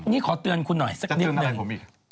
นี่ขอเตือนคุณหน่อยซักเดียวหน่อยฮือจะเตือนอะไรผมอีก